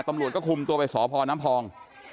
ตำรวจก็คุมตัวไปสพน้ำพอง